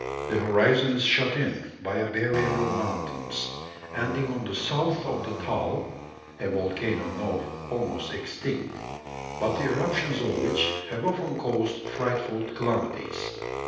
The horizon is shut in by a barrier of mountains, ending on the south of the Taal, a volcano now almost extinct, but the eruptions of which have often caused frightful calamities.